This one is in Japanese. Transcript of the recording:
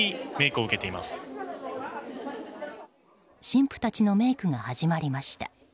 新婦たちのメイクが始まりました。